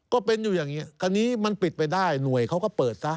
ก็เป็นอยู่อย่างนี้คราวนี้มันปิดไปได้หน่วยเขาก็เปิดซะ